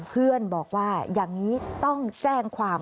เพื่อนบอกว่าอย่างนี้ต้องแจ้งความ